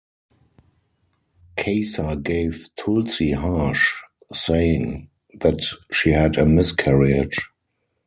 Kesar gave Tulsi Harsh, saying that she had a miscarriage.